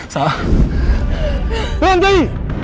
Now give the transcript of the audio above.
jangan bergantung gue nih